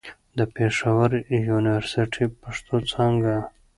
د پېښور يونيورسټۍ، پښتو څانګه